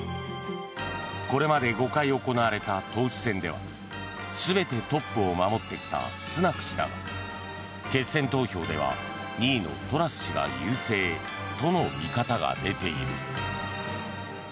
これまで５回行われた党首選では全てトップを守ってきたスナク氏だが決選投票では２位のトラス氏が優勢との見方が出ている。